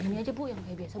ini aja bu yang kayak biasa